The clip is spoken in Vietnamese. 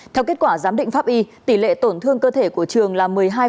theo kết quả giám định pháp y tỷ lệ tổn thương cơ thể của trường là một mươi hai